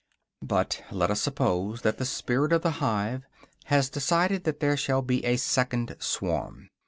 But let us suppose that the spirit of the hive has decided that there shall be a second swarm.